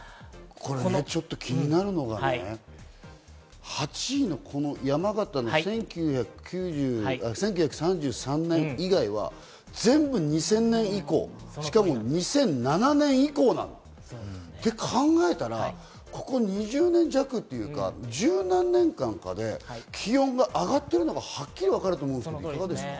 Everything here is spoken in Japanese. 気になるのがね、８位の山形の１９３３年以外は全部２０００年以降、しかも２００７年以降なの。って考えたら、ここ２０年弱というか、１０何年間かで気温が上がってるのがはっきりわかると思うんですけど、いかがですか？